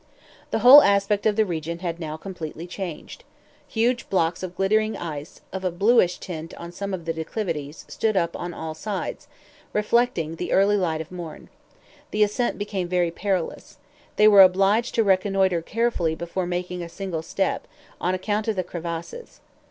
The whole aspect of the region had now completely changed. Huge blocks of glittering ice, of a bluish tint on some of the declivities, stood up on all sides, reflecting the early light of morn. The ascent became very perilous. They were obliged to reconnoiter carefully before making a single step, on account of the crevasses.